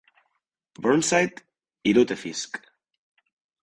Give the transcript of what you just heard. Burnside i Lutefisk.